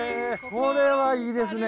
これはいいですね。